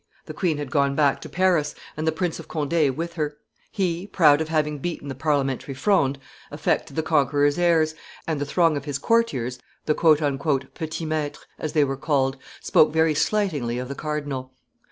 The queen had gone back to Paris, and the Prince of Conde with her; he, proud of having beaten the parliamentary Fronde, affected the conqueror's airs, and the throng of his courtiers, the "petits maitres," as they were called, spoke very slightingly of the cardinal.